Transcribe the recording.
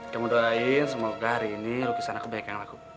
kamu doain semoga hari ini lukisan aku baik yang laku